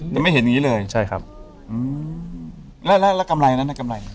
แล้วกำไรเนี่ยนะนั่นเดี๋ยว